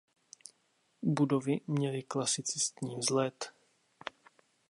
Budovy měly klasicistní vzhled.